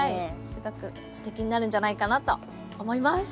すごくすてきになるんじゃないかなと思います。